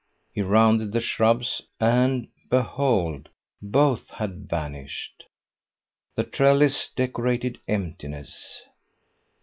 He rounded the shrubs, and, behold, both had vanished. The trellis decorated emptiness.